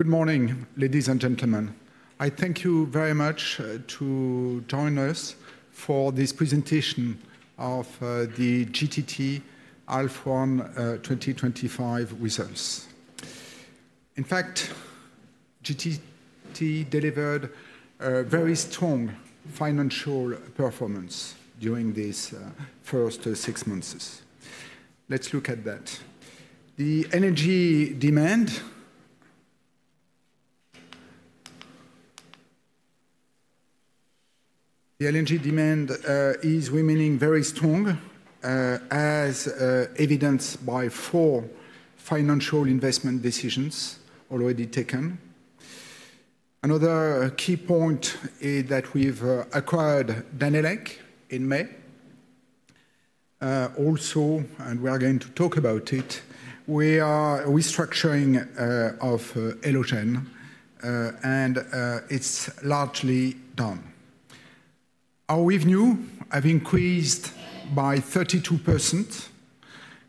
Good morning ladies and gentlemen. I thank you very much to join us for this presentation of the GTT half 1 2025 results. In fact, GTT delivered a very strong financial performance during these first six months. Let's look at that. The energy demand, the LNG demand is remaining very strong as evidenced by four Final Investment Decisions already taken. Another key point is that we've acquired Danelec in May also and we are going to talk about it. We are restructuring of Elogen and it's largely done. Our revenue have increased by 32%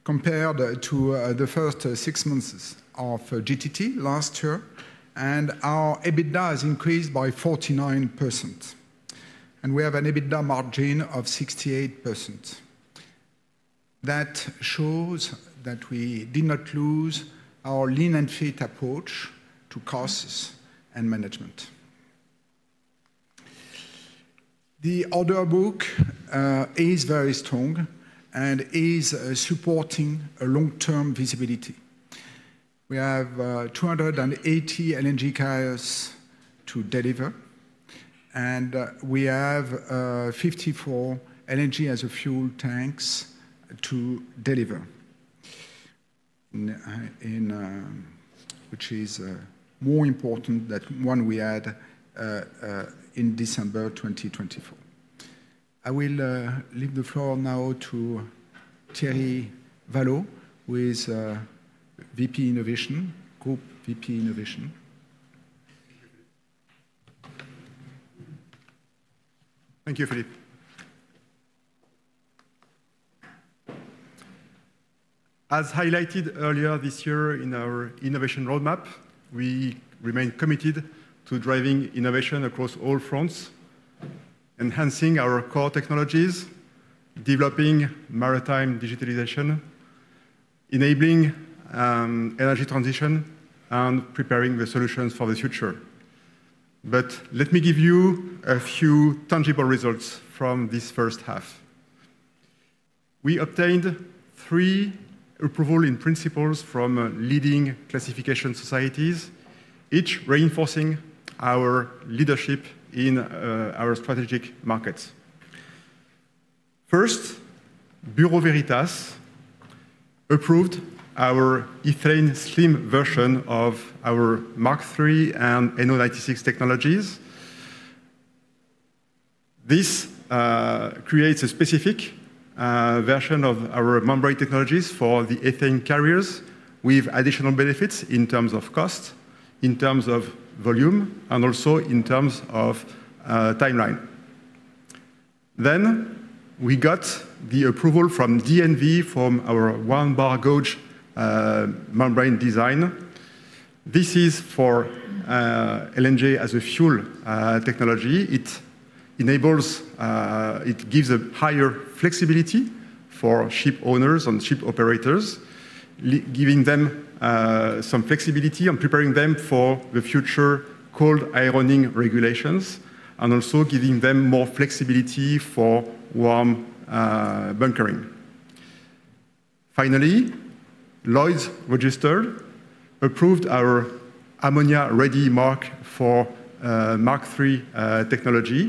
compared to the first six months of GTT last year and our EBITDA has increased by 49% and we have an EBITDA margin of 68%. That shows that we did not lose our lean and fit approach to costs and management. The order book is very strong and is supporting a long term visibility. We have 280 LNG carriers to deliver and we have 54 LNG as fuel tanks to deliver which is more important than what we had in December 2024. I will leave the floor now to Thierry Vallot, VP Innovation, Group VP Innovation. Thank you Philippe. As highlighted earlier this year in our innovation roadmap, we remain committed to driving innovation across all fronts, enhancing our core technologies, developing maritime digitalization, enabling energy transition, and preparing the solutions for the future. Let me give you a few tangible results from this first half. We obtained three approvals in principle from leading classification societies, each reinforcing our leadership in our strategic markets. First, Bureau Veritas approved our ethylene slim version of our Mark III and NO96 technologies. This creates a specific version of our membrane technologies for the ethane carriers with additional benefits in terms of cost, volume, and also timeline. We got the approval from DNV for our one bar gauge membrane design. This is for LNG as fuel technology. It gives a higher flexibility for ship owners and ship operators, giving them some flexibility on preparing them for the future cold ironing regulations and also giving them more flexibility for warm bunkering. Finally, Lloyd’s Register approved our ammonia-ready Mark for Mark III technology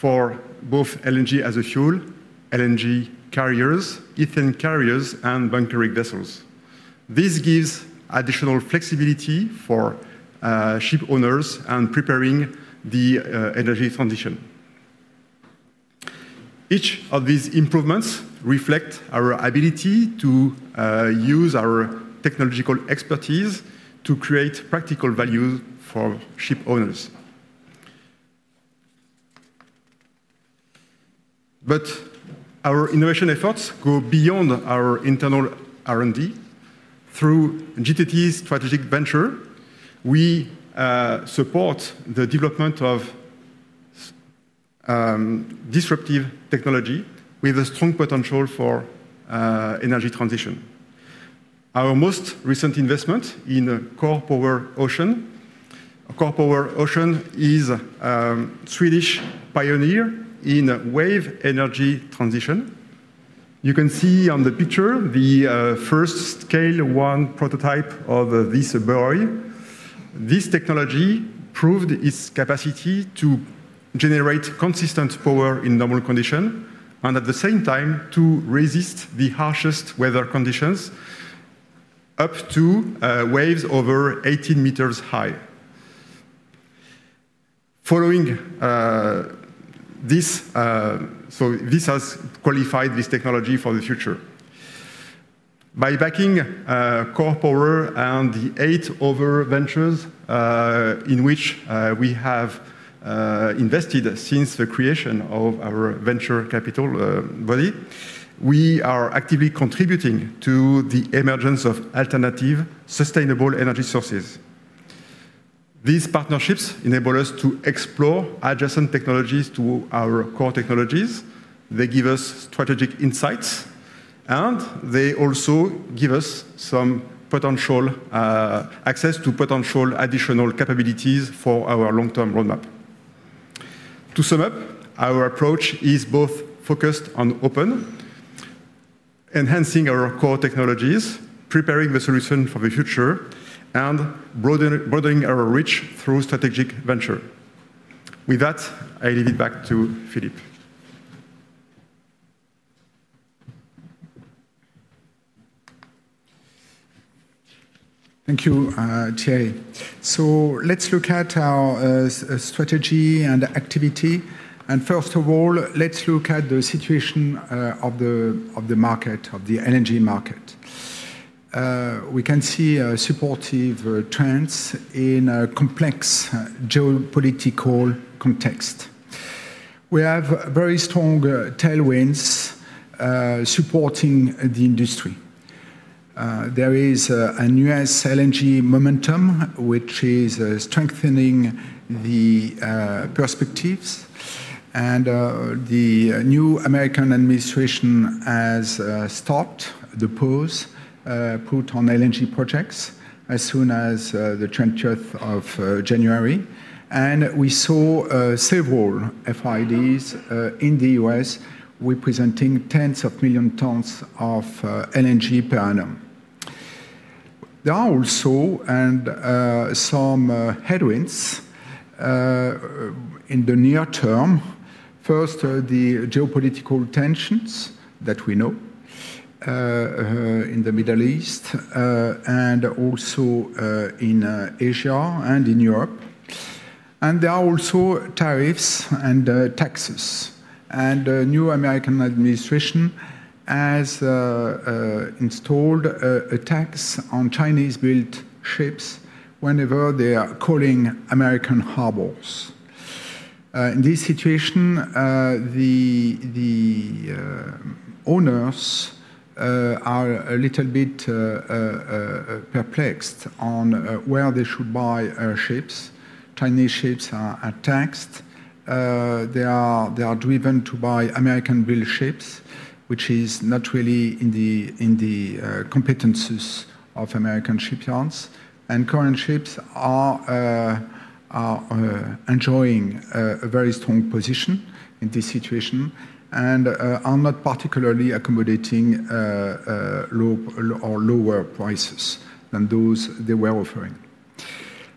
for both LNG as fuel, LNG carriers, ethane carriers, and bunkering vessels. This gives additional flexibility for ship owners and prepares the energy transition. Each of these improvements reflects our ability to use our technological expertise to create practical value for ship owners. Our innovation efforts go beyond our internal R&D. Through GTT’s strategic venture, we support the development of disruptive technology with a strong potential for energy transition. Our most recent investment in CorPower Ocean. CorPower Ocean is a Swedish pioneer in wave energy technology. You can see on the picture the first scale one prototype of this buoy. This technology proved its capacity to generate consistent power in normal conditions and at the same time to resist the harshest weather conditions, up to waves over 18 m high. This has qualified this technology for the future. By backing CorPower and the eight other ventures in which we have invested since the creation of our venture capital body, we are actively contributing to the emergence of alternative sustainable energy sources. These partnerships enable us to explore adjacent technologies to our core technologies. They give us strategic insights and they also give us some potential access to potential additional capabilities for our long-term roadmap. To sum up, our approach is both focused on enhancing our core technologies, preparing the solution for the future, and broadening our reach through strategic venture. With that, I leave it back to Philippe. Thank you, Thierry. Let's look at our strategy and activity. First of all, let's look at the situation of the market, of the energy market. We can see supportive trends in a complex geopolitical context. We have very strong tailwinds supporting the industry. There is a U.S. LNG momentum which is strengthening the perspectives. The new American administration has stopped the pause put on LNG projects as soon as January 20. We saw several FIDs in the U.S. representing tens of million tons of LNG per annum. There are also some headwinds in the near term. First, the geopolitical tensions that we know in the Middle East and also in Asia and in Europe. There are also tariffs and taxes. The new American administration has installed a tax on Chinese built ships whenever they are calling American harbors. In this situation, the owners are a little bit perplexed on where they should buy ships. Chinese ships are taxed, they are driven to buy American built ships, which is not really in the competences of American shipyards. Current ships are enjoying a very strong position in this situation and are not particularly accommodating lower prices than those they were offering.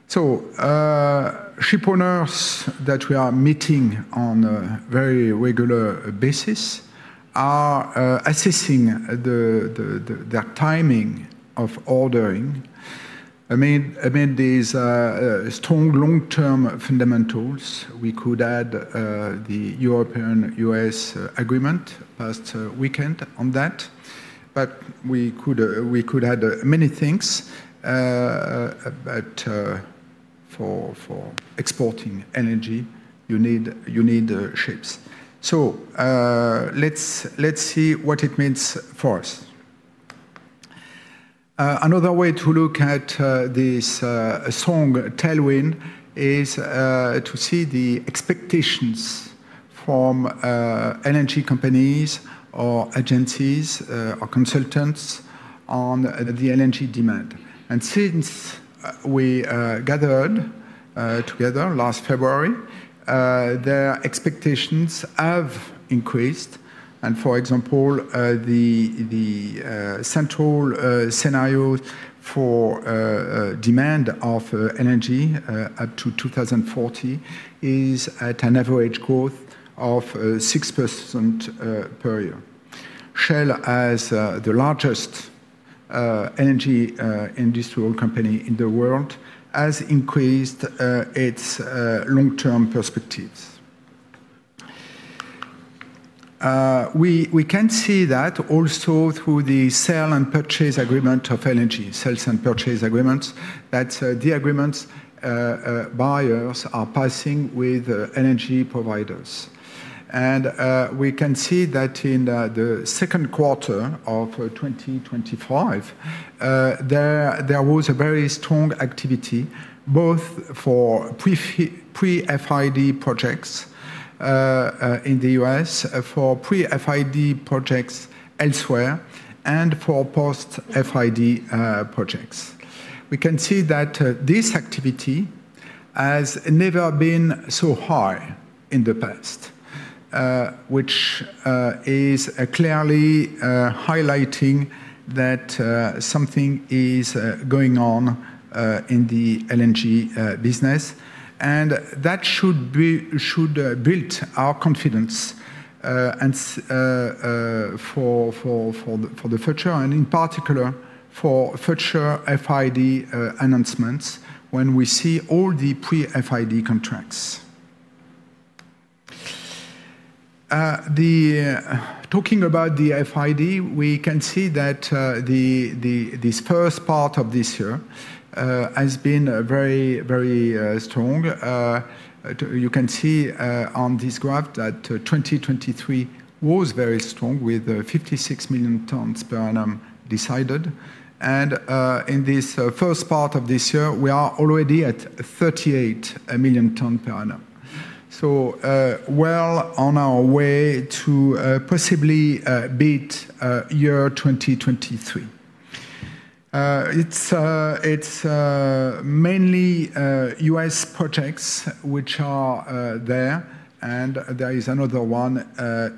Shipowners that we are meeting on a very regular basis are assessing their timing of ordering amid these strong long term fundamentals. We could add the European U.S. agreement past weekend on that, but we could add many things. For exporting energy you need ships. Let's see what it means for us. Another way to look at this strong tailwind is to see the expectations from LNG companies or agencies or consultants on the LNG demand. Since we gathered together last February, their expectations have increased. For example, the central scenario for demand of energy up to 2040 is at an average growth of 6% per year. Shell, as the largest energy industrial company in the world, has increased its long term perspectives. We can see that also through the sale and purchase agreement of LNG sales and purchase agreements that the agreements buyers are passing with energy providers. We can see that in the second quarter of 2025 there was a very strong activity both for pre FID projects in the U.S., for pre FID projects elsewhere and for post FID projects. We can see that this activity has never been through high in the past, which is clearly highlighting that something is going on in the LNG business and that should build our confidence for the future, in particular for future FID announcements. When we see all the pre-FID contracts talking about the FID, we can see that this first part of this year has been very, very strong. You can see on this graph that 2023 was very strong with 56 million tonnes per annum decided. In this first part of this year, we are already at 38 million tonnes per annum, so well on our way to possibly beat year 2023. It's mainly U.S. projects which are there, and there is another one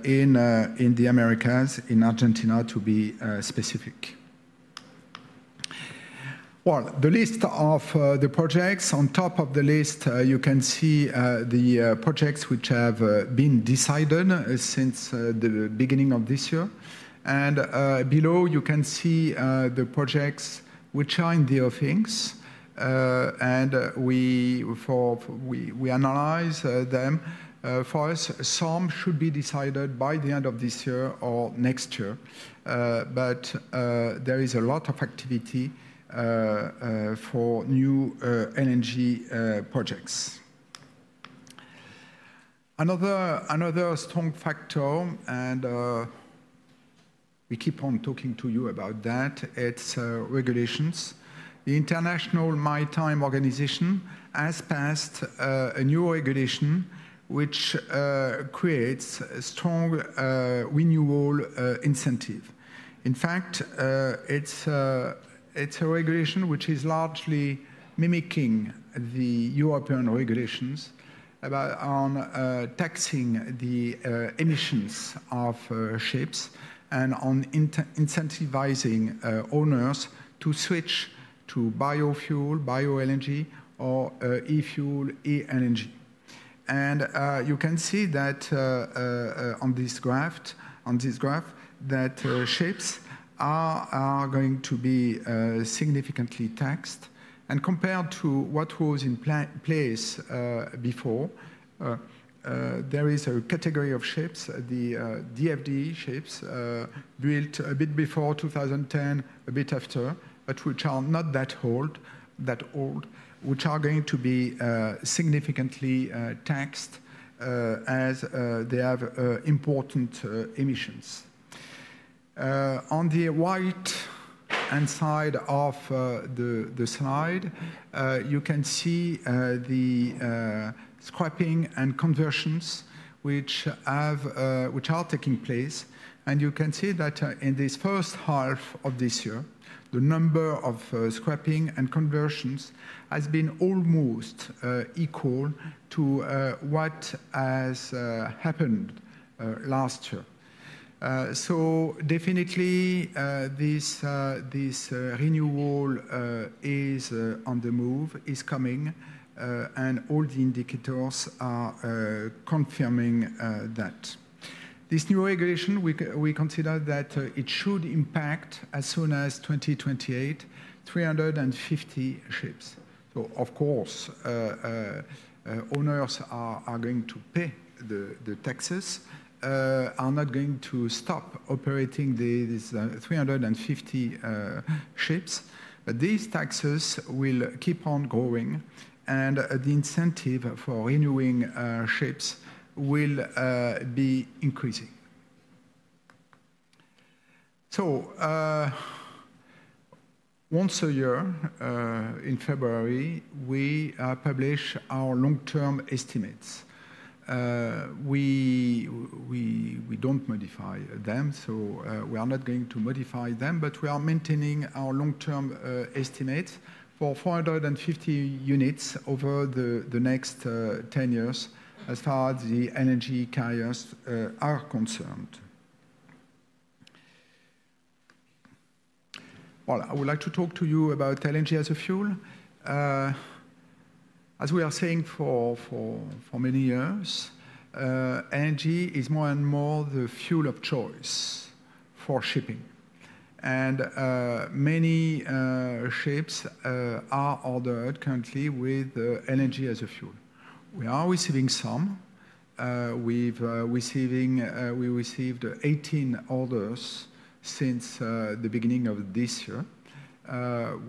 in the Americas, in Argentina to be specific. The list of the projects, on top of the list you can see the projects which have been decided since the beginning of this year. Below, you can see the projects which are in the offings, and we analyze them for us. Some should be decided by the end of this year or next year, but there is a lot of activity for new LNG projects. Another strong factor, and we keep on talking to you about that, is regulations. The International Maritime Organization has passed a new regulation which creates strong renewal incentive. In fact, it's a regulation which is largely mimicking the European regulations on taxing the emissions of ships and on incentivizing owners to switch to biofuel, bioenergy, or e-fuel, e-energy. You can see that on this graph, on this graph that ships are going to be significantly taxed, and compared to what was in place before, there is a category of ships, the DFD ships built a bit before 2010, a bit after, but which are not that old, which are going to be significantly taxed as they have important emissions. On the right-hand side of the slide, you can see the scrapping and conversions which are taking place. You can see that in this first half of this year, the number of scrapping and conversions has been almost equal to what has happened last year. Definitely, this renewal is on the move. It's coming, and all the indicators are confirming that this new regulation, we consider that it should impact as soon as 2028, 350 ships. Of course, owners are going to pay the taxes, are not going to stop operating these 350 ships. These taxes will keep on growing, and the incentive for renewing ships will be increasing. Once a year in February, we publish our long-term estimates. We don't modify them, so we are not going to modify them, but we are maintaining our long-term estimates for 450 units over the next 10 years. As far as the energy carriers are concerned, I would like to talk to you about LNG as a fuel. As we are saying for many years, LNG is more and more the fuel of choice for shipping, and many ships are ordered currently with LNG as a fuel. We are receiving some. We received 18 orders since the beginning of this year.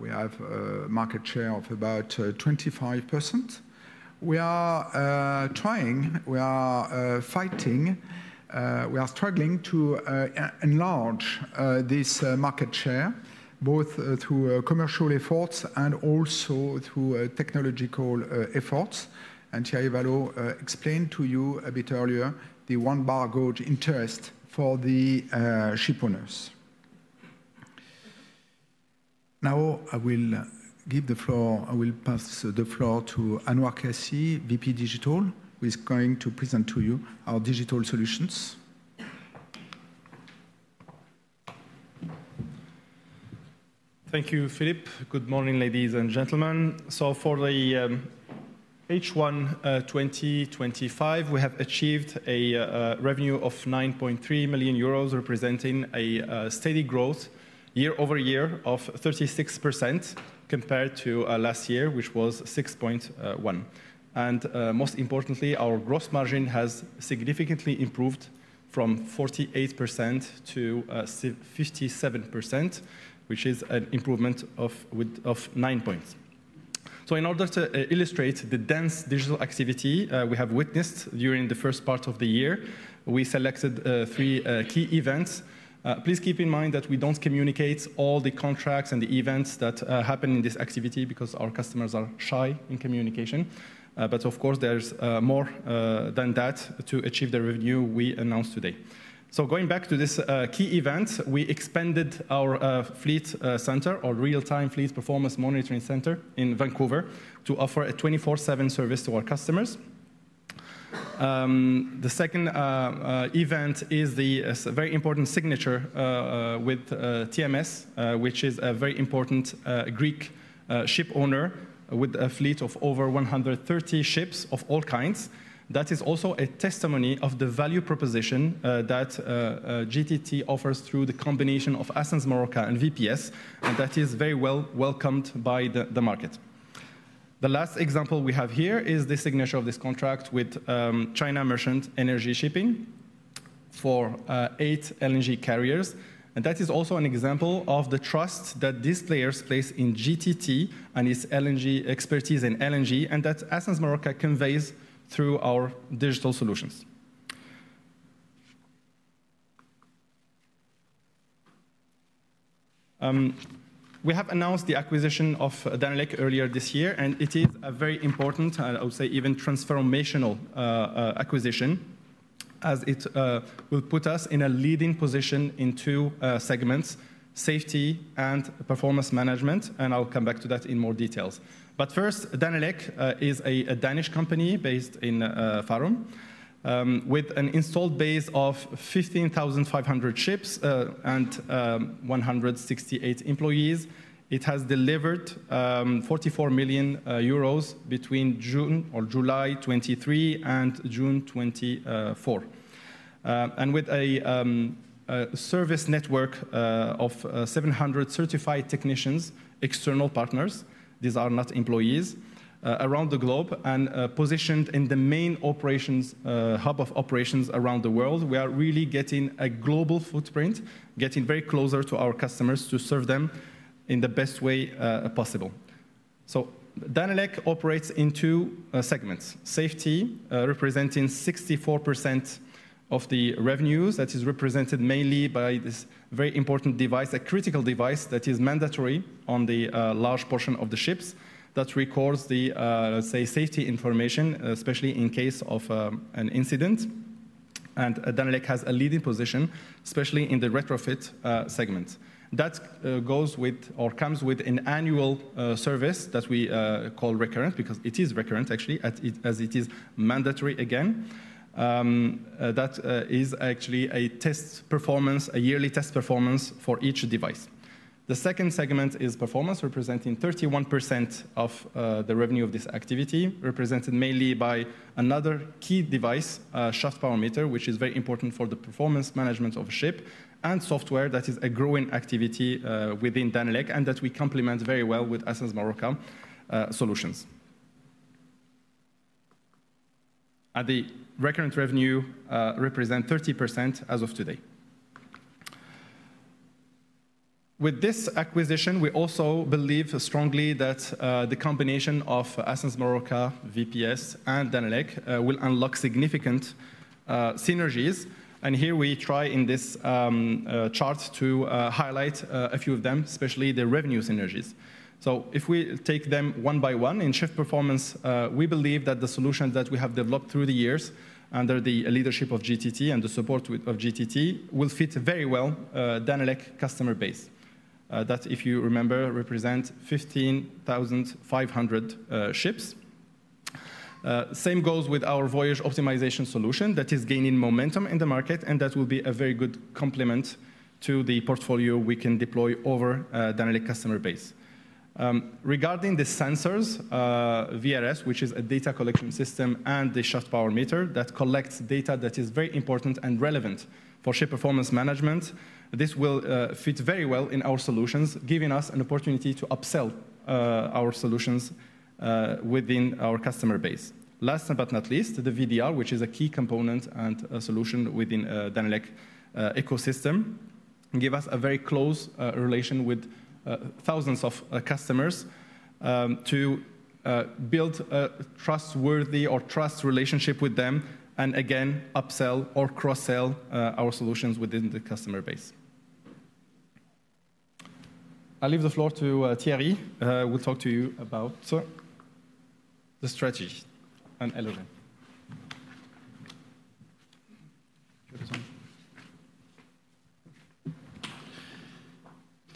We have market share of about 25%. We are trying, we are fighting, we are struggling to enlarge this market share both through commercial efforts and also through technological efforts. Thierry Vallot explained to you a bit earlier the one bar gauge interest for the ship owners. Now I will give the floor, I will pass the floor to Anouar Kiassi, VP Digital, who is going to present to you our digital solutions. Thank you, Philippe. Good morning ladies and gentlemen. For the H1 2025, we have achieved a revenue of 9.3 million euros, representing a steady growth year-over-year of 36% compared to last year, which was 6.1 million. Most importantly, our gross margin has significantly improved from 48% to 57%, which is an improvement of 9 points. In order to illustrate the dense digital activity we have witnessed during the first part of the year, we selected three key events. Please keep in mind that we don't communicate all the contracts and the events that happen in this activity because our customers are shy in communication. Of course, there's more than that to achieve the revenue we announced today. Going back to this key event, we expanded our fleet center or real-time fleet performance monitoring center in Vancouver to offer a 24/7 service to our customers. The second event is the very important signature with TMS, which is a very important Greek shipowner with a fleet of over 130 ships of all kinds. That is also a testimony of the value proposition that GTT offers through the combination of Ascenz, Marorka, and VPS. That is very well welcomed by the market. The last example we have here is the signature of this contract with China Merchants Energy Shipping for eight LNG carriers. That is also an example of the trust that these players place in GTT and its LNG expertise. Ascenz Marorka conveys this through our digital solutions. We have announced the acquisition of Danelec earlier this year and it is a very important, I would say even transformational, acquisition as it will put us in a leading position in two segments: safety and performance management. I'll come back to that in more detail. First, Danelec is a Danish company based in Farum with an installed base of 15,500 ships and 168 employees. It has delivered 44 million euros between July 2023 and June 2024. With a service network of 700 certified technicians, external partners—these are not employees—around the globe and positioned in the main operations hubs of operations around the world, we are really getting a global footprint, getting very close to our customers to serve them in the best way possible. Danelec operates in two segments, safety representing 64% of the revenues. That is represented mainly by this very important device, a critical device that is mandatory on the large portion of the ships that records the safety information, especially in case of an incident. Danelec has a leading position, especially in the retrofit segment that goes with or comes with an annual service that we call recurrent, because it is recurrent actually, as it is mandatory again. That is actually a test performance, a yearly test performance for each device. The second segment is performance, representing 31% of the revenue of this activity, represented mainly by another key device, shaft power meter, which is very important for the performance management of ship and software. That is a growing activity within Danelec and that we complement very well with Ascenz Marorka Solutions. The recurrent revenue represents 30% as of today with this acquisition. We also believe strongly that the combination of Essence, Morocca, VPS, and Danelec will unlock significant synergies. Here we try in this chart to highlight a few of them, especially the revenue synergies. If we take them one by one in ship performance, we believe that the solutions that we have developed through the years under the leadership of GTT and the support of GTT will fit very well. Danelec customer base, that if you remember, represents 15,500 ships. Same goes with our voyage optimization solution that is gaining momentum in the market and that will be a very good complement to the portfolio we can deploy over Danelec customer base. Regarding the sensors VDRs, which is a data collection system, and the shaft power meter that collects data that is very important and relevant for ship performance management, this will fit very well in our solutions, giving us an opportunity to upsell our solutions within our customer base. Last but not least, the VDR, which is a key component and solution within Danelec ecosystem, gives us a very close relation with thousands of customers to build a trustworthy or trust relationship with them and again upsell or cross sell our solutions within the customer base. I'll leave the floor to Thierry. He'll talk to you about the strategy and Elogen.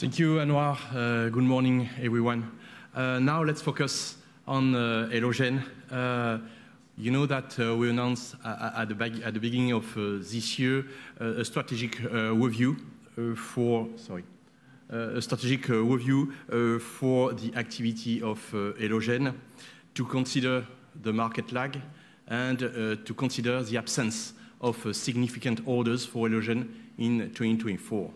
Thank you Anouar. Good morning everyone. Now let's focus on Elogen. You know that we announced at the beginning of this year a strategic review for the activity of Elogen to consider the market lag and to consider the absence of significant orders for Elogen in 2024.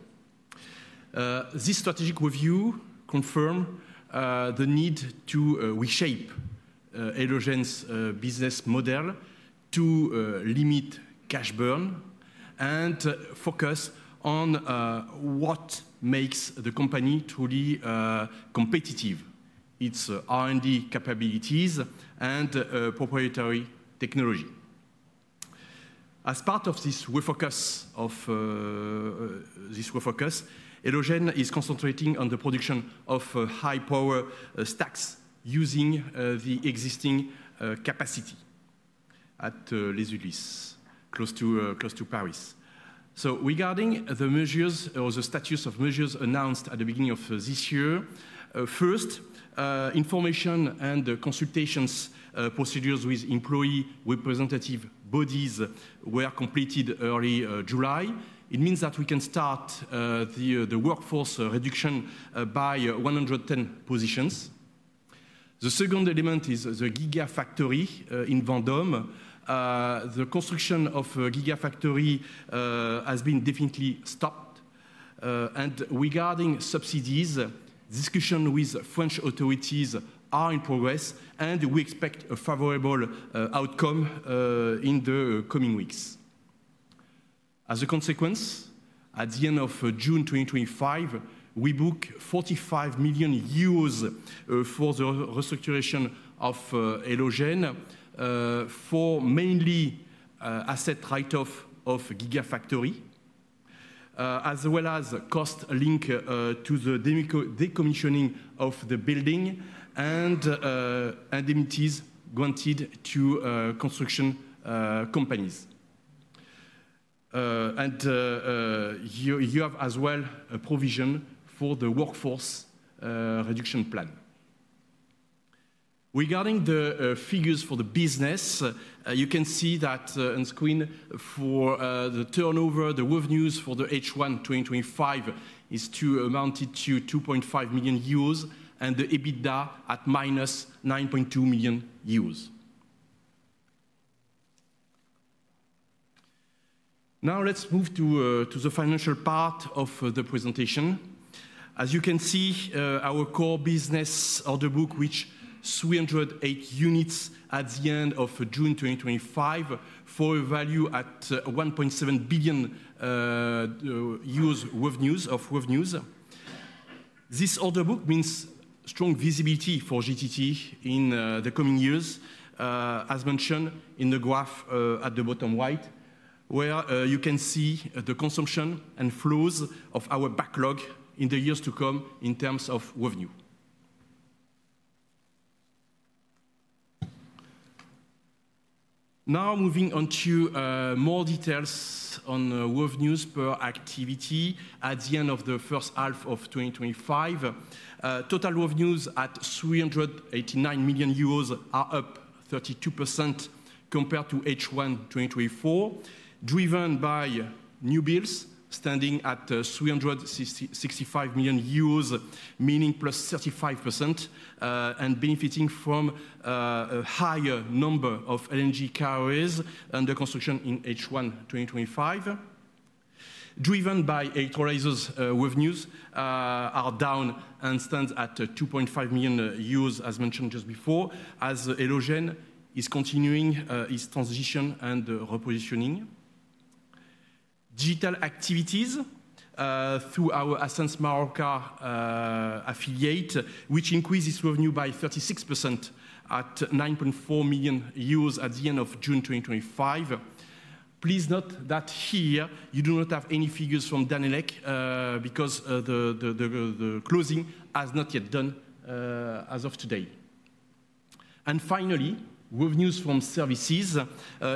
This strategic review confirms the need to reshape Elogen's business model to limit cash burn and focus on what makes the company truly competitive, its R&D capabilities and proprietary technology. As part of this refocus, Elogen is concentrating on the production of high power stacks using the existing capacity at Les Huglis close to Paris. Regarding the measures or the status of measures announced at the beginning of this year, first, information and consultations procedures with employee representative bodies were completed early July. It means that we can start the workforce reduction by 110 positions. The second element is the gigafactory in Vendôme. The construction of the gigafactory has been definitely stopped and regarding subsidies, discussion with French authorities are in progress and we expect a favorable outcome in the coming weeks. As a consequence, at the end of June 2025 we book 45 million euros for the restructuring of Elogen, mainly asset write-off of the gigafactory as well as costs linked to the decommissioning of the building and granted to construction companies. You have as well a provision for the workforce reduction plan. Regarding the figures for the business, you can see that on screen. For the turnover, the revenues for H1 2025 amounted to 2.5 million euros and the EBITDA at -9.2 million euros. Now let's move to the financial part of the presentation. As you can see, our core business order book reached 308 units at the end of June 2025, for value at 1.7 billion of revenues. This order book means strong visibility for GTT in the coming years, as mentioned in the graph at the bottom right where you can see the consumption and flows of our backlog in the years to come in terms of revenue. Now moving on to more details on revenues per activity. At the end of the first half of 2025, total revenues at 389 million euros are up 32% compared to H1 2024, driven by new builds standing at 365 million euros, meaning plus 35% and benefiting from a higher number of LNG carriers under construction. In H1 2025, driven by H2 razors, revenues are down and stand at 2.5 million euros as mentioned just before, as is continuing its transition and repositioning digital activities through our Essence Marker affiliate which increases revenue by 36% at 9.4 million euros at the end of June 2025. Please note that here you do not have any figures from Danelec because the closing has not yet been done as of today. Finally, revenues from services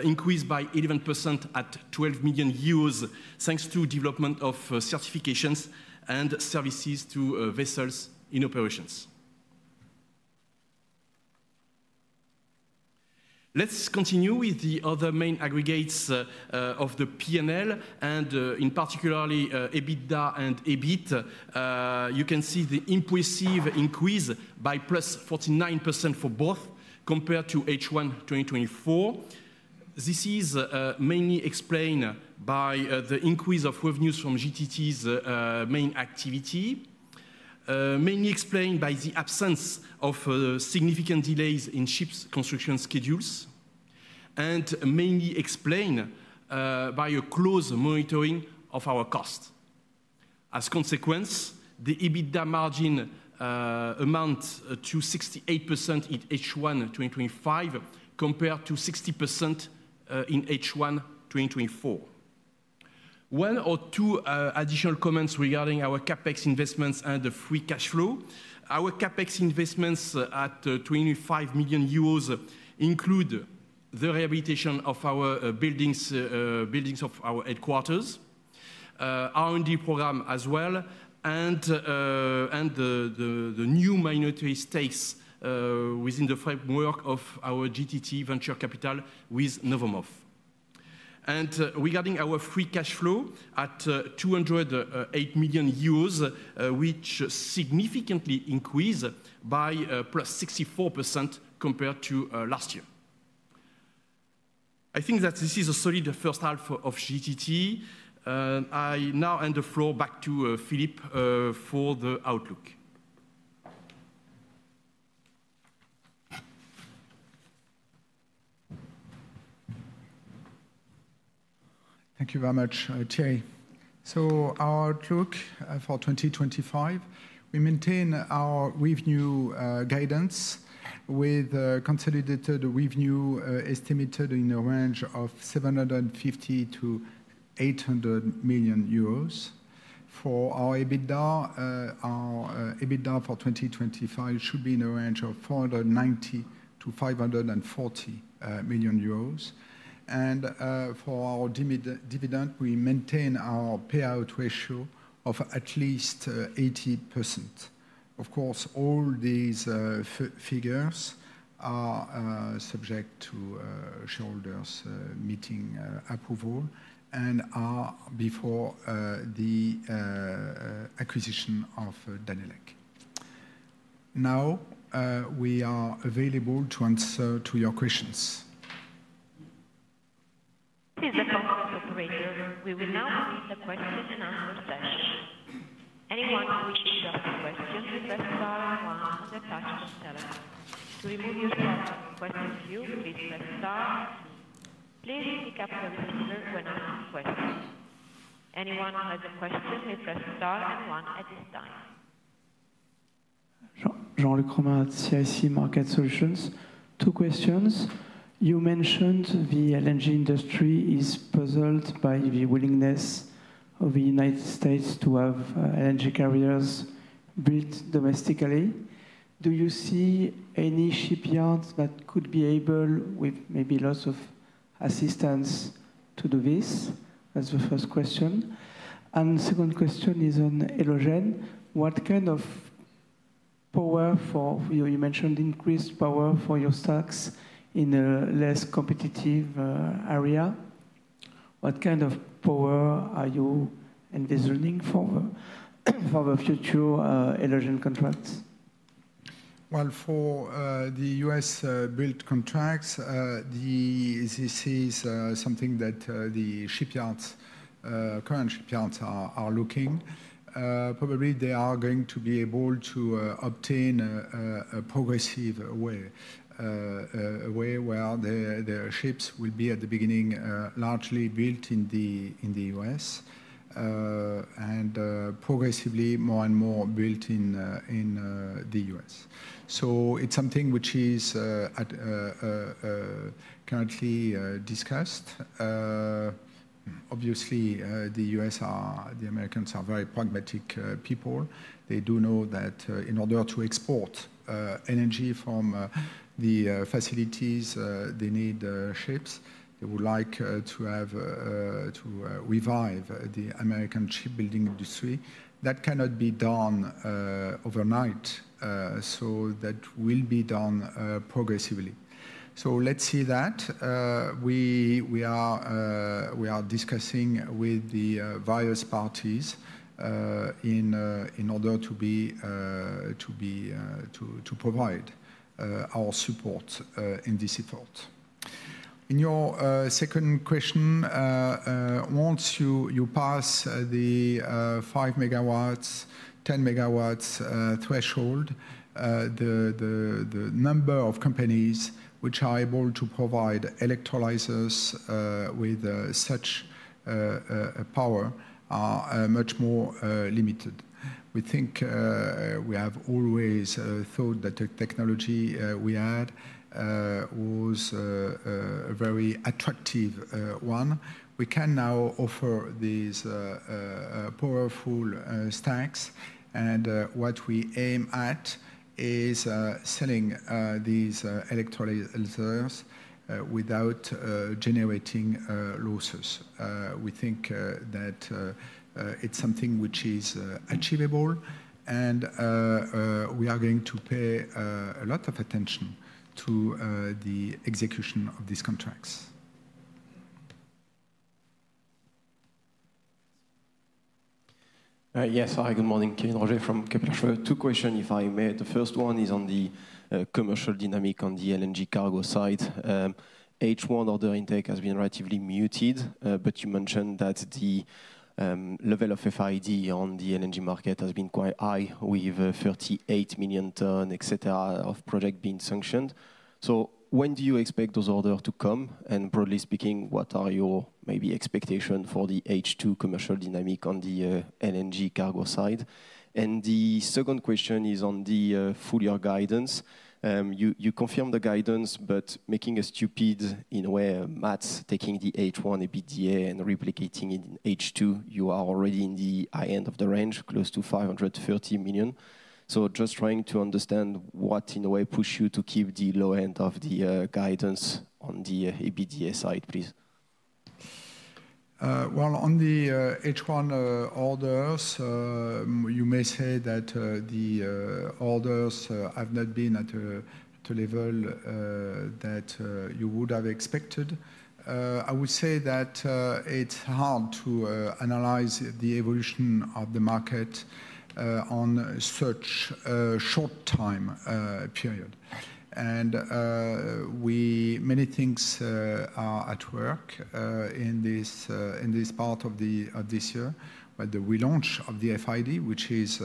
increased by 11% at 12 million euros thanks to development of certifications and services to vessels in operations. Let's continue with the other main aggregates of the P&L and in particular EBITDA and EBITDA. You can see the impressive increase by +49% for both compared to H1 2024. This is mainly explained by the increase of revenues from GTT's main activity, mainly explained by the absence of significant delays in ships construction schedules, and mainly explained by a close monitoring of our cost. As a consequence, the EBITDA margin amounts to 68% in H1 2025 compared to 60% in H1 2024. One or two additional comments regarding our CapEx investments and the free cash flow. Our CapEx investments at 25 million euros include the rehabilitation of our buildings, buildings of our headquarters R&D program as well, and the new minority stakes within the framework of our GTT Venture Capital with Novomov. Regarding our free cash flow at 208 million euros which significantly increased by +64% compared to last year, I think that this is a solid first half of GTT. I now hand the floor back to Philippe for the outlook. Thank you very much Thierry. Our outlook for 2025, we maintain our revenue guidance with consolidated revenue estimated in the range of 750 million-800 million euros. For our EBITDA, our EBITDA for 2025 should be in a range of 490 million-540 million euros. For our dividend, we maintain our payout ratio of at least 80%. Of course, all these figures are subject to shareholders meeting approval and are before the acquisition of Danelec. Now we are available to answer to your questions. This is the conference operator. We will now see the question-and-answer session. Anyone who wishes to ask a question, press star one on the telephone. To remove your question from the queue, please press star. Please pick up your receiver when asked questions. Anyone who has a question may press star one at this time. Jean-Luc Romain at CIC Market Solutions. Two questions. You mentioned the LNG industry is pretty puzzled by the willingness of the U.S. to have LNG carriers built domestically. Do you see any shipyards that could be able, with maybe lots of assistance, to do this? That's the first question. The second question is on what kind of power for. You mentioned increased power for your stacks in a less competitive area. What kind of power are you envisioning for the future? Energian contracts? For the U.S. built contracts, this is something that the shipyards, current shipyards are looking at. Probably they are going to be able to obtain in a progressive way, a way where the ships will be at the beginning largely built in the U.S. and progressively more and more built in the U.S. It's something which is currently discussed. Obviously, the U.S., the Americans are very pragmatic people. They do know that in order to export energy from the facilities they need ships. They would like to have to revive the American shipbuilding industry. That cannot be done overnight, that will be done progressively. Let's see that we are discussing with the various parties in order to provide our support in this effort. In your second question, once you pass the 5 MW, 10 MW threshold, the number of companies which are able to provide electrolyzers with such power are much more limited. We think. We have always thought that the technology we had was a very attractive one. We can now offer these powerful stacks and what we aim at is selling these electrolyzers without generating losses. We think that it's something which is achievable and we are going to pay a lot of attention to the execution of these contracts. Yes. Hi, good morning, Quentin Roger from Kepler Cheuvreux. Two questions if I may. The first one is on the commercial dynamic on the LNG cargo side. H1 order intake has been relatively muted. You mentioned that the level of FIDs on the LNG market has been quite high with 38 million tonnes, etc. of project being sanctioned. When do you expect those orders to come? Broadly speaking, what are your maybe expectations for the H2 commercial dynamic on the LNG cargo side? The second question is on the full year guidance. You confirmed the guidance, but making a stupid in where Matt's taking the H1 EBITDA and replicating in H2, you are already in the high end of the range, close to 530 million. Just trying to understand what in a way pushes you to keep the low end of the guidance on the EBITDA side, please. On the H1 orders, you may say that the orders have not been at a level that you would have expected. I would say that it's hard to analyze the evolution of the market on such a short time period. Many things are at work in this part of this year. The relaunch of the FIDs, which is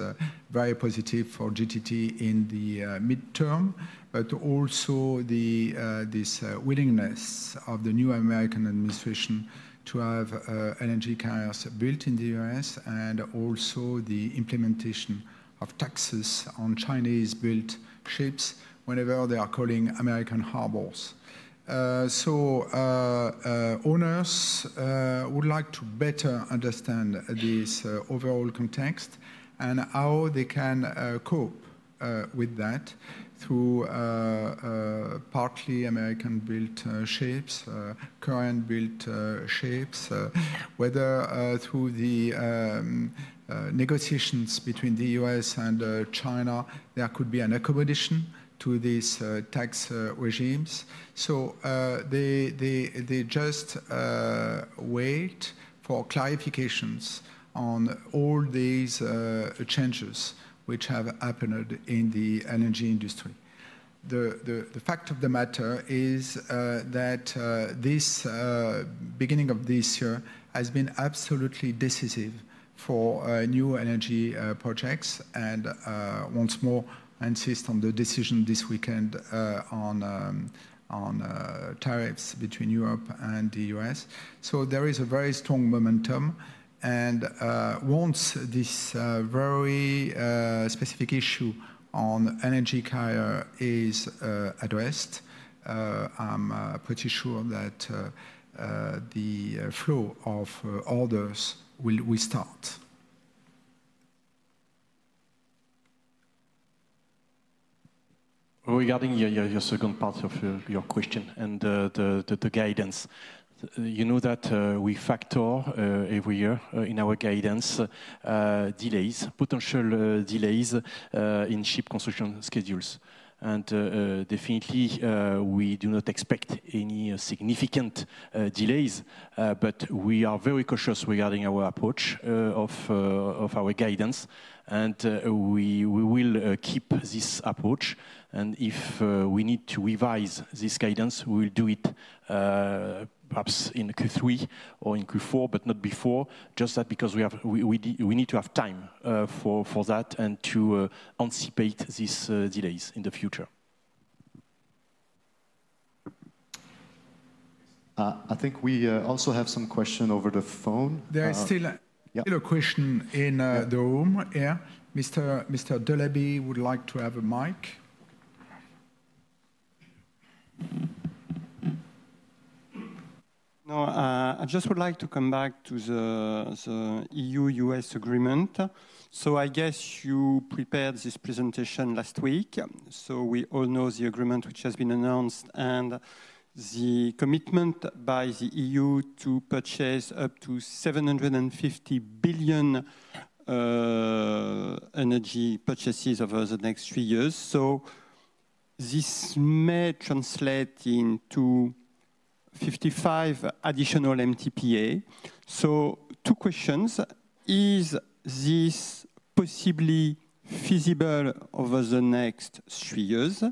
very positive for GTT in the midterm, but also this willingness of the new American administration to have energy carriers built in the U.S. and also the implementation of taxes on Chinese-built ships whenever they are calling American harbors. Owners would like to better understand this overall context and how they can cope with that through partly American-built ships, Korean-built ships, whether through the negotiations between the U.S. and China, there could be an accommodation to these tax regimes. They just wait for clarifications on all these changes which have happened in the energy industry. The fact of the matter is that this beginning of this year has been absolutely decisive for new energy projects and once more insist on the decision this weekend on tariffs between Europe and the U.S. There is a very strong momentum and once this very specific issue on energy carrier is addressed, I'm pretty sure that the flow of orders will restart. Regarding your second part of your question and the guidance, you know that we factor every year in our guidance delays, potential delays in ship construction schedules, and definitely we do not expect any significant delays. We are very cautious regarding our approach of our guidance and we will keep this approach. If we need to revise this guidance, we will do it perhaps in Q3 or in Q4, but not before just that because we need to have time for that and to anticipate these delays in the future. I think we also have some questions over the phone. There is still a question in the room. Mr. Delaby, would you like to have a mic? No, I just would like to come back to the EU-U.S. agreement. I guess you prepared this presentation last week. We all know the agreement which has been announced and the commitment by the EU to purchase up to 750 billion in energy purchases over the next three years. This may translate into 55 additional MTPA. Two questions. Is this possibly feasible over the next three years?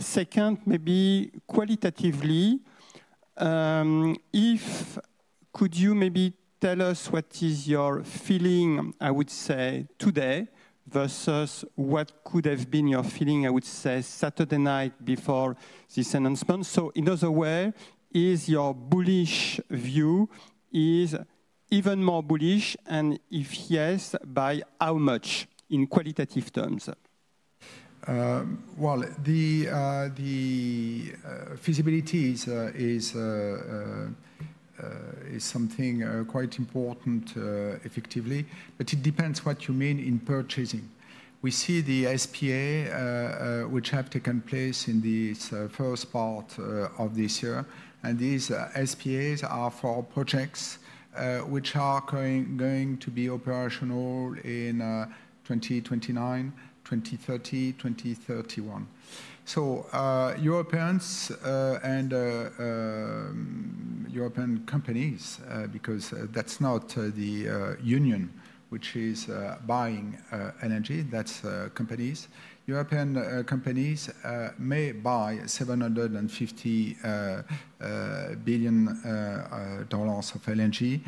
Second, maybe qualitatively, could you tell us what is your feeling, I would say today versus what could have been your feeling, I would say Saturday night before this announcement. In other words, is your bullish view even more bullish and if yes, by how much in qualitative terms? The feasibility is something quite important, effectively, but it depends what you mean. In purchasing, we see the SPA which have taken place in the first part of this year. These SPAs are for projects which are going to be operational in 2029, 2030, 2031. Europeans and European companies, because that's not the Union which is buying energy, that's companies. European companies may buy EUR 750 billion of LNG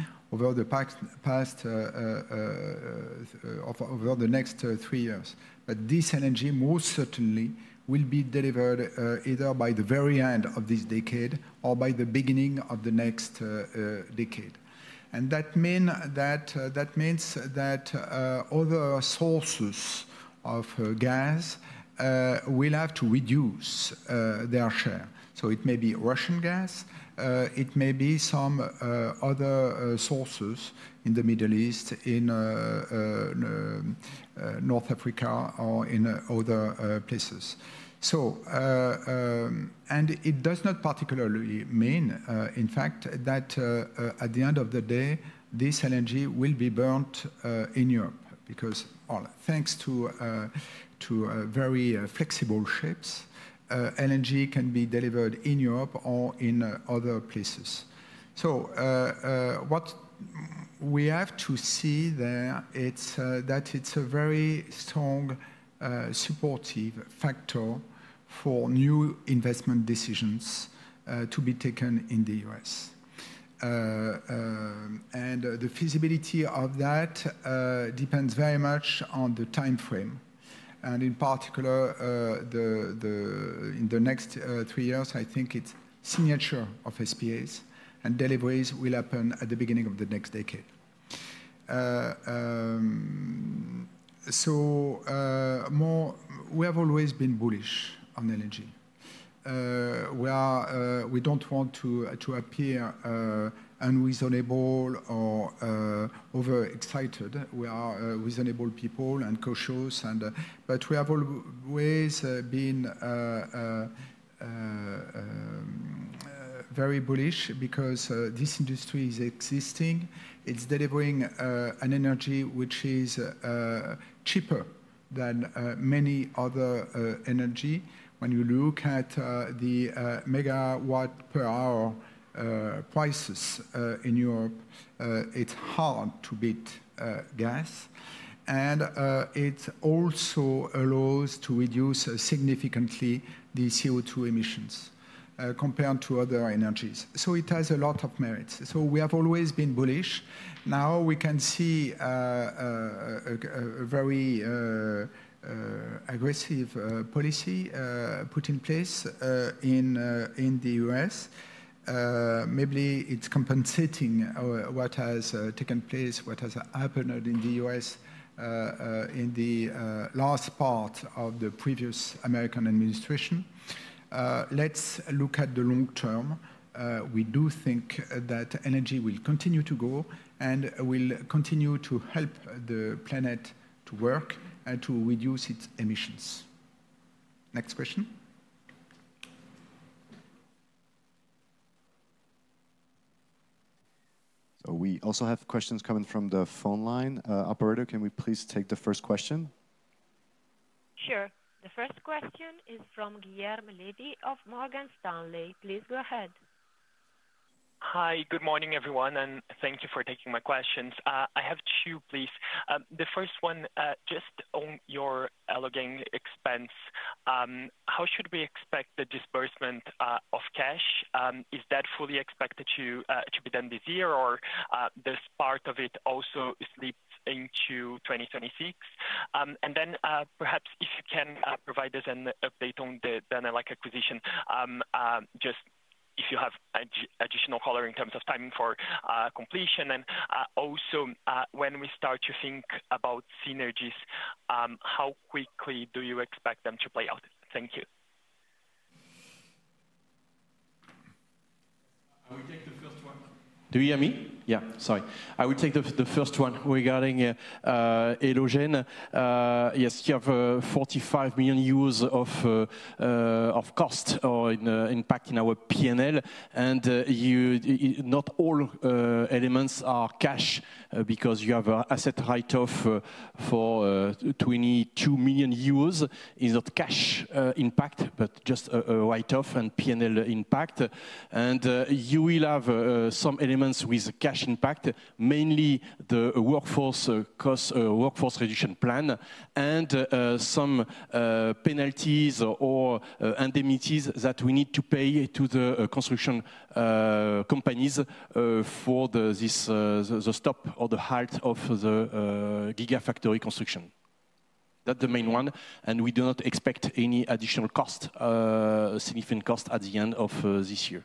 over the next three years, but this LNG most certainly will be delivered either by the very end of this decade or by the beginning of the next decade. That means that other sources of gas will have to reduce their share. It may be Russian gas, it may be some other sources in the Middle East, in North Africa, or in other places. It does not particularly mean in fact that at the end of the day this LNG will be burnt in Europe because thanks to very flexible ships, LNG can be delivered in Europe or in other places. What we have to see there is that it's a very strong supportive factor for new investment decisions to be taken in the U.S., and the feasibility of that depends very much on the time frame and in particular in the next three years. I think it's signature of SPAs and deliveries will happen at the beginning of the next decade. We have always been bullish on LNG. We don't want to appear unreasonable or over excited. We are reasonable people and cautious, but we have always been very bullish because this industry is existing. It's delivering an energy which is cheaper than many other energy. When you look at the megawatt per hour prices in Europe, it's hard to beat gas and it also allows to reduce significantly the CO2 emissions compared to other energies. It has a lot of merits. We have always been bullish. Now we can see a very aggressive policy put in place in the U.S. Maybe it's compensating what has taken place, what has happened in the U.S. in the last part of the previous American administration. Let's look at the long term. We do think that energy will continue to grow and will continue to help the planet to work and to reduce its emissions. Next question. We also have questions coming from the phone line operator. Can we please take the first question? Sure. The first question is from Guilherme Levy of Morgan Stanley. Please go ahead. Hi, good morning everyone and thank you for taking my questions. I have two please. The first one just on your Elogen expense. How should we expect the disbursement of cash? Is that fully expected to be done this year or does part of it also slip into 2026? Perhaps if you can provide us an update on the Danelec acquisition, just if you have additional color in terms of timing for completion and also when we start to think about synergies, how quickly do you expect them to play out? Thank you. I will take the first one. Regarding Elogen, you have 45 million euros of cost impact in our P&L and not all elements are cash because you have an asset write-off for 22 million euros, which is not a cash impact but just a write-off and P&L impact. You will have some elements with cash impact, mainly the workforce costs, workforce reduction plan, and some penalties or indemnities that we need to pay to the construction companies for the stop or the halt of the gigafactory construction. That's the main one. We do not expect any additional significant cost at the end of this year.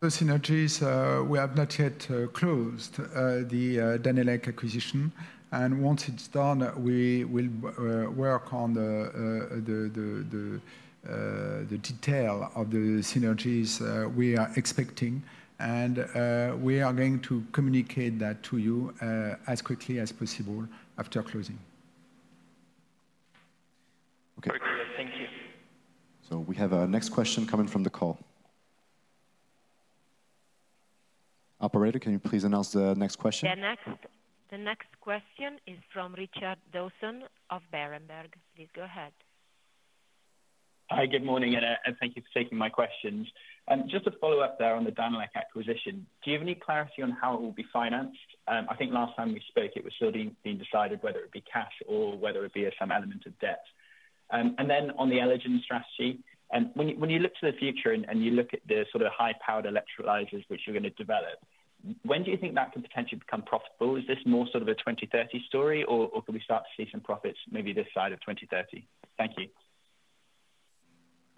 The synergies. We have not yet closed the Danelec acquisition, and once it's done, we will work on the detail of the synergies we are expecting, and we are going to communicate that to you as quickly as possible after closing. Okay, thank you. We have our next question coming from the call operator. Can you please announce the next question? The next question is from Richard George Dawson of Berenberg. Please go ahead. Hi, good morning Anouar. Thank you for taking my questions. Just a follow up there. On the Danelec acquisition, do you have any clarity on how it will be financed? I think last time we spoke it was still being decided whether it would be cash or whether it would be some element of debt. On the Elogen strategy, when you look to the future and you look at the sort of high powered electrolyzers which you're going to develop, when do you think that can potentially become profitable? Is this more sort of a 2030 story or could we start to see some profits maybe this side of 2030?Thank you.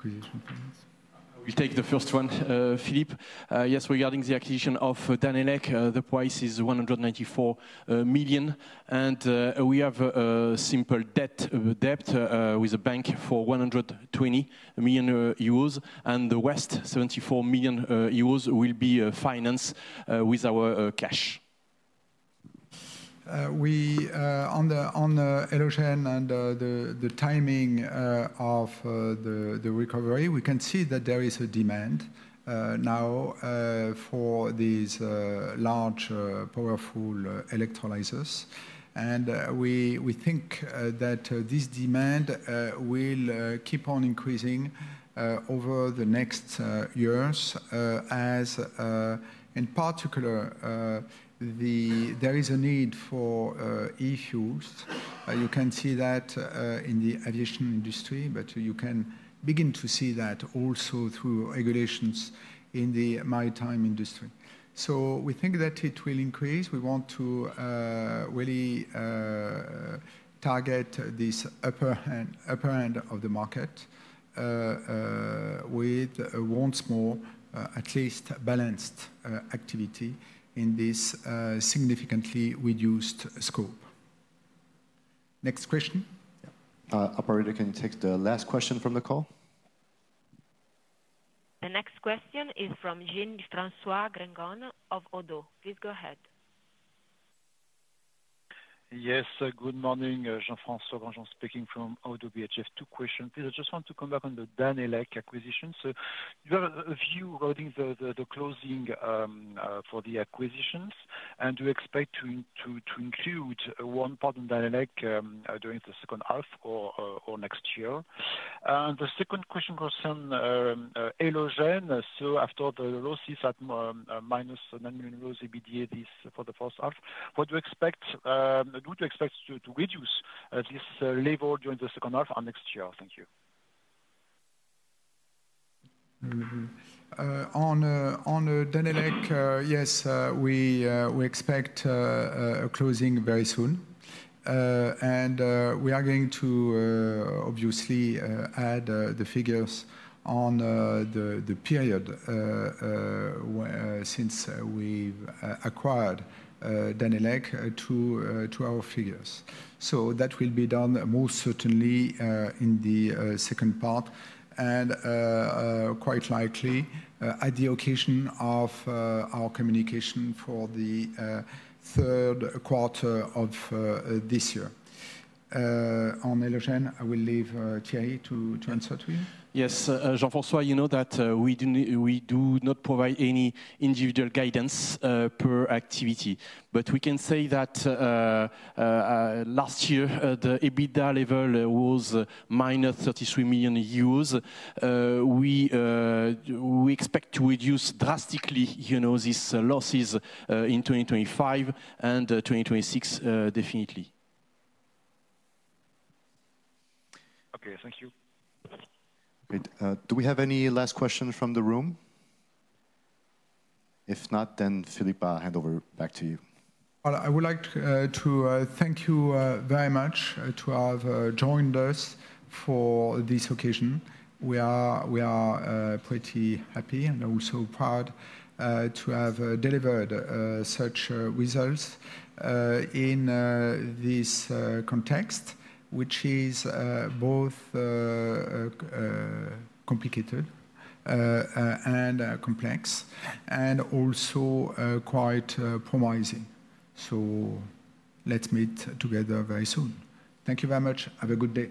We take the first one. Philippe. Yes. Regarding the acquisition of Danelec, the price is 194 million. We have a simple debt with a bank for 120 million euros. The rest, 74 million euros, will be financed with our cash. On electrolyzers and the timing of the recovery. We can see that there is a demand now for these large powerful electrolyzers, and we think that this demand will keep on increasing over the next years. As in particular there is a need for e-fuels. You can see that in the aviation industry, but you can begin to see that also through regulations in the maritime industry. We think that it will increase. We want to really target this upper end of the market with once more at least balanced activity in this significantly reduced scope. Next question. Operator, can you take the last question from the call? The next question is from Jean‑François Granjon of ODDO. Please go ahead. Yes, good morning, Jean‑François speaking from ODDO BHF. Two questions, please. I just want to come back on the Danelec acquisition. Do you have a view regarding the closing for the acquisition, and do you expect to include one part of Danelec during the second half or next year? The second question goes on Elogen. After the losses at minus 9 million euros EBITDA for the first half, what do you expect? Do you expect to reduce this level during the second half and next year? Thank you. On Danelec, yes, we expect a closing very soon and we are going to obviously add the figures on the period since we acquired Danelec to our figures. That will be done most certainly in the second part and quite likely at the occasion of our communication for the third quarter of this year. I will leave Thierry to answer to you. Yes, Jean-Francois, you know that we do not provide any individual guidance per activity, but we can say that last year the EBITDA level was -33 million euros. We expect to reduce drastically, you know, these losses in 2025 and 2026. Definitely. Okay, thank you. Do we have any last questions from the room? If not, then Philippe, I'll hand over back to you. Thank you very much to have joined us for this occasion. We are pretty happy and also proud to have delivered such results in this context, which is both complicated and complex and also quite promising. Let's meet together very soon. Thank you very much. Have a good day.